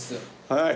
はい。